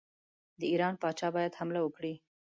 د ایران پاچا باید حمله وکړي.